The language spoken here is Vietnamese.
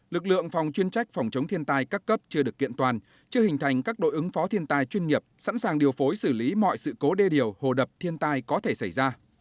lực lượng phòng chuyên trách phòng chống thiên tai các cấp chưa được kiện toàn chưa hình thành các đội ứng phó thiên tai chuyên nghiệp sẵn sàng điều phối xử lý mọi sự cố đê điều hồ đập thiên tai có thể xảy ra